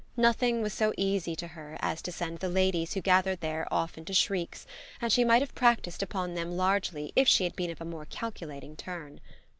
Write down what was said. Nothing was so easy to her as to send the ladies who gathered there off into shrieks, and she might have practised upon them largely if she had been of a more calculating turn.